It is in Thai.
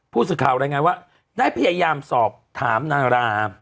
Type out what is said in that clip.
พูดสิทธิ์ข่าวอะไรไงว่าได้พยายามสอบถามนารา